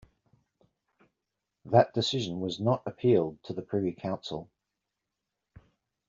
That decision was not appealed to the Privy Council.